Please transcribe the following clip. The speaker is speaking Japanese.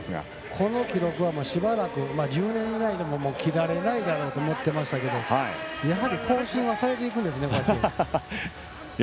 この記録はしばらく１０年来、切られないだろうと思っていましたがやはり更新はされていくんですね。